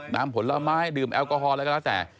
น้ำผลไม้ดื่มแอลกอฮอล์แล้วก็แล้วแต่